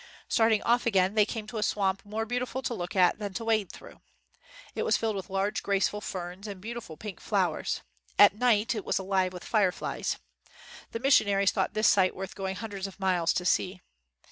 Starting off again, they came to a swamp more beautiful to look at than to wade through. It was filled with large graceful ferns and beautiful pink flowers. At night it was alive with fireflies. The missionaries thought this sight worth going hundreds of miles to see.